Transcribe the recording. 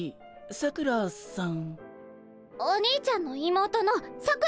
さくらさん！